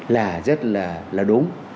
là rất là đúng